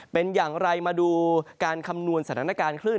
เป็นอย่างไรมาดูการคำนวณสถานการณ์คลื่น